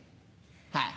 はい。